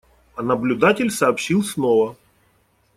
А наблюдатель сообщил снова.